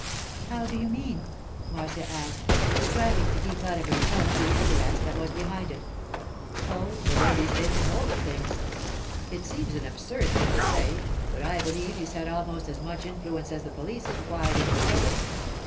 'How do you mean?' Marcia asked, striving to keep out of her tone the interest that was behind it. 'Oh, the way he's taken hold of things. It seems an absurd thing to say, but I believe he's had almost as much influence as the police in quieting the trouble.